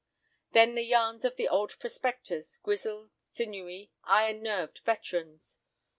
Then the yarns of the old prospectors, grizzled, sinewy, iron nerved veterans!